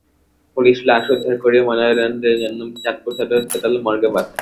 Police লাশ উদ্ধার করে ময়নাতদন্তের জন্য চাঁদপুর সদর হাসপাতাল মর্গে পাঠায়।